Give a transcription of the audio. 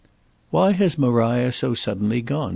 "Why has Maria so suddenly gone?